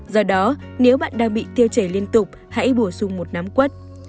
do đó nếu bạn đang bị tiêu chảy liên tục hãy bổ sung một nám quất